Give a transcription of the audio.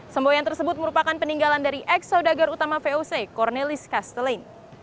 semboyan tersebut merupakan peninggalan dari ex saudagar utama voc cornelis castelin